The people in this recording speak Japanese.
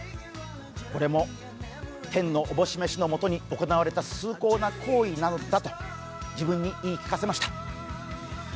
これも天のおぼし召しのもとに行われた崇高な行為なのだと自分に言い聞かせました。